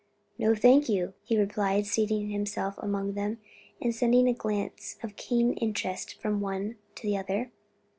"No, thank you," he replied seating himself among them, and sending a glance of keen interest from one to another.